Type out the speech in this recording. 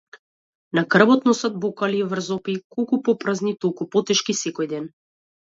На грбот носат бокали и врзопи, колку попразни толку потешки секој ден.